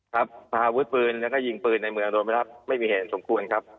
พาอาวุธปืนแล้วก็ยิงปืนในเมืองโดยไม่รับไม่มีเหตุสมควรครับ